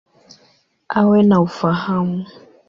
Awe na ufahamu.